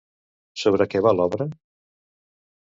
Sobre què va l'obra?